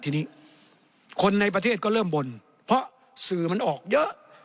ทีนี้คนในประเทศก็เริ่มบ่นเพราะสื่อมันออกเยอะ